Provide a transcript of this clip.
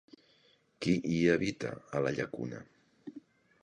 Qui hi habita a la llacuna?